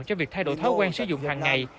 cho việc thay đổi thói quen sử dụng hàng ngày